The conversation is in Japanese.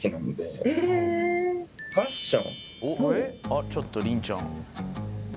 「あっちょっとりんちゃん」